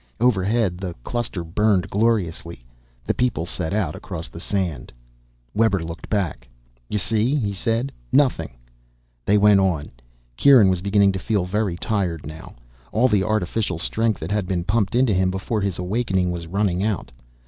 Overhead the cluster burned gloriously. The people set out across the sand. Webber looked back. "You see?" he said. "Nothing." They went on. Kieran was beginning to feel very tired now, all the artificial strength that had been pumped into him before his awakening was running out.